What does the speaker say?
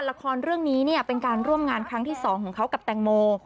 ละครเรื่องนี้เนี่ยเป็นการร่วมงานครั้งที่๒ของเขากับแตงโม